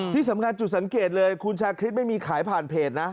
ที่สำคัญจุดสังเกตเลยคุณชาคริสไม่มีขายผ่านเพจนะ